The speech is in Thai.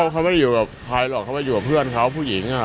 เขาไม่อยู่กับใครหรอกเขามาอยู่กับเพื่อนเขาผู้หญิง